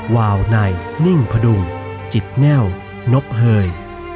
วาวในนิ่งพดุงจิตแน่วนบเหย